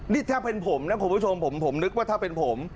นี่ถ้าเป็นผมนะคุณผู้ชมผมนึกว่าถ้าเป็นผม